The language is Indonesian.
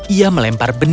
ia melempar benihnya